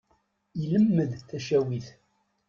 Ilemmed tacawit.